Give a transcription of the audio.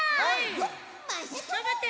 がんばって！